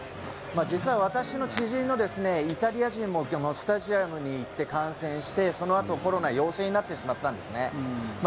実は私の知人のイタリア人もスタジアムに行って観戦してそのあと、コロナ陽性になってしまったんですね。